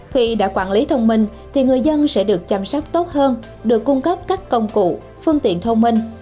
khi đã quản lý thông minh thì người dân sẽ được chăm sóc tốt hơn được cung cấp các công cụ phương tiện thông minh